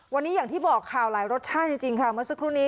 วันนี้อย่างที่บอกข่าวหลายรสชาติจริงค่ะเมื่อสักครู่นี้